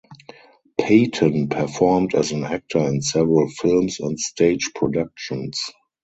Payton performed as an actor in several films and stage productions.